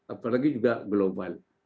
apalagi juga global